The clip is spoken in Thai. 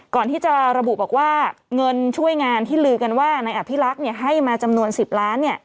ก่อนที่จะระบุบอกว่าเงินช่วยงานที่ลือกันว่านายอภิรักษ์ให้มาจำนวน๑๐ล้าน